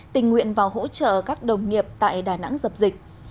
tình nguyện vào hỗ trợ các đồng nghiệp tại đà nẵng dập dịch